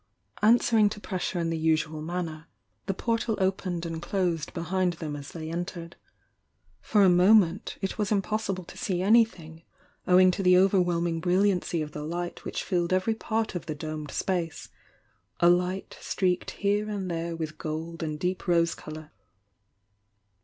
Answering to pressure in the usual manner, the portal opened and closed behind them as they en tered. For a moment it was impossible to see any thing, owing to the overwhelming brilliancy of the light which filled every part of the domed space — a light streaked here and there with gold and deep rose colour.